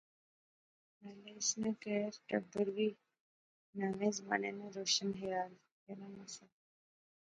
نالے اس ناں کہر ٹبر وی ناوے زمانے ناں روشن خیال کہرانہ سا